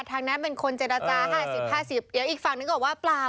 ทางนั้นเป็นคนเจรจาห้าสิบห้าสิบเดี๋ยวอีกฝั่งนึกออกว่าเปล่า